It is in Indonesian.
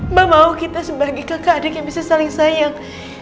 mbak mau kita sebagai kakak adik yang bisa saling sayang